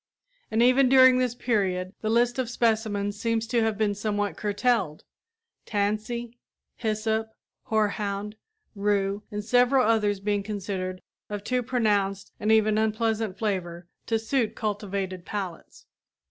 And even during this period the list of species seems to have been somewhat curtailed tansy, hyssop, horehound, rue and several others being considered of too pronounced and even unpleasant flavor to suit cultivated palates.